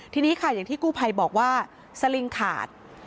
ทีนี้ค่ะอย่างที่กู้ภัยบอกว่าสลิงขาด